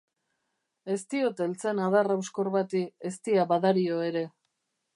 Ez diot heltzen adar hauskor bati, eztia badario ere.